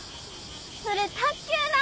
それ卓球な。